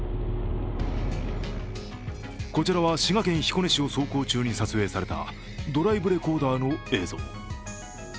こちらは滋賀県彦根市を走行中に撮影されたドライブレコーダーの映像。